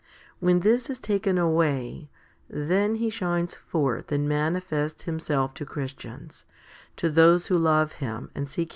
When this is taken away, then He shines forth and mani fests Himself to Christians, to those who love Him and seek 1 2 Cor.